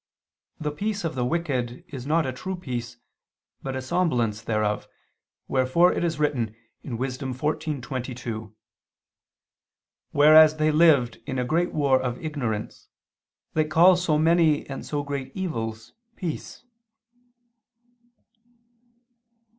The peace of the wicked is not a true peace but a semblance thereof, wherefore it is written (Wis. 14:22): "Whereas they lived in a great war of ignorance, they call so many and so great evils peace."